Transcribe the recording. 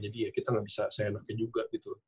jadi ya kita nggak bisa sayang sayang juga gitu loh